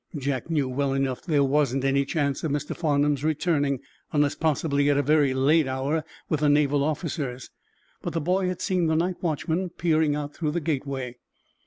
Jack knew well enough that there wasn't any chance of Mr. Farnum returning, unless possibly at a very late hour with the naval officers, but the boy had seen the night watchman peering out through the gateway.